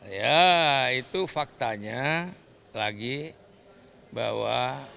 ya itu faktanya lagi bahwa